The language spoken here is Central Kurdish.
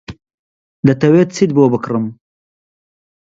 دەتەوێت چیت بۆ بکڕم؟